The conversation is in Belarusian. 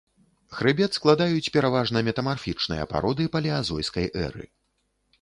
Хрыбет складаюць пераважна метамарфічныя пароды палеазойскай эры.